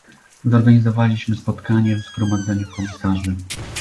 Zorganizowaliśmy spotkanie w Zgromadzeniu Komisarzy